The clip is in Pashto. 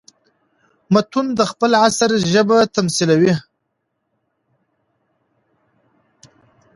متون د خپل عصر ژبه تميثلوي.